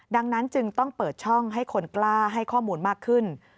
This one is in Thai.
ดังนั้นจึงต้องเปิดช่องให้คนกล้าให้ข้อมูลมากขึ้น